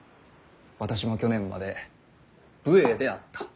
私も去年まで武衛であった。